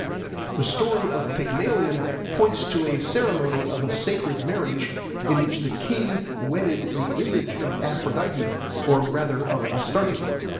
The story of Pygmalion points to a ceremony of a sacred marriage in which the king wedded the image of Aphrodite, or rather of Astarte.